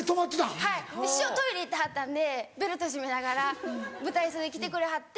はい師匠トイレ行ってはったんでベルト締めながら舞台袖に来てくれはって。